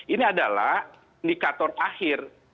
ini adalah indikator akhir